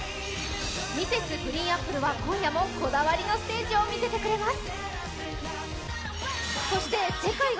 Ｍｒｓ．ＧＲＥＥＮＡＰＰＬＥは今夜もこだわりのステージを見せてくれます。